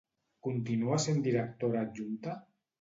Continua sent directora adjunta?